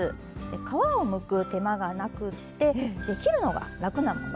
皮をむく手間がなくて切るのが楽なもの。